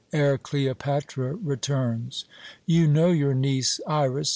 ere Cleopatra returns. You know your niece Iras.